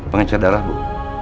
pengencar darah bu